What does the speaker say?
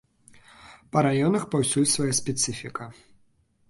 Па раёнах паўсюль свая спецыфіка.